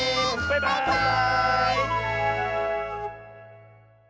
バイバーイ！